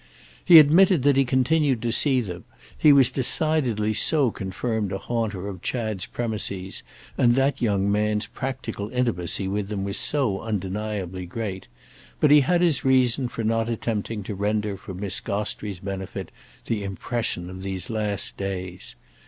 He admitted that he continued to see them, he was decidedly so confirmed a haunter of Chad's premises and that young man's practical intimacy with them was so undeniably great; but he had his reason for not attempting to render for Miss Gostrey's benefit the impression of these last days.